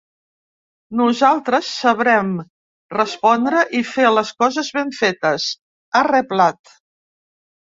Nosaltres sabrem respondre i fer les coses ben fetes, ha reblat.